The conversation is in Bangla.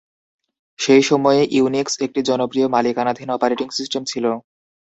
সেই সময়ে ইউনিক্স একটি জনপ্রিয় মালিকানাধীন অপারেটিং সিস্টেম ছিল।